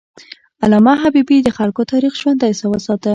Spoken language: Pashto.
علامه حبیبي د خلکو تاریخ ژوندی وساته.